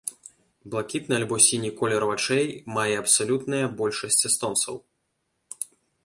Блакітны альбо сіні колер вачэй мае абсалютная большасць эстонцаў.